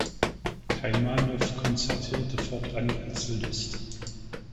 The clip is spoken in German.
Taimanow konzertierte fortan als Solist.